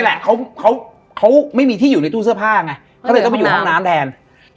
แหละเขาเขาไม่มีที่อยู่ในตู้เสื้อผ้าไงก็เลยต้องไปอยู่ห้องน้ำแทน